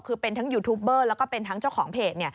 คือเป็นทั้งยูทูปเบอร์แล้วก็เป็นทั้งเจ้าของเพจ